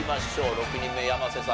６人目山瀬さん